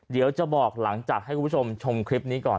เดี๋ยวจะบอกหลังจากให้คุณผู้ชมชมคลิปนี้ก่อน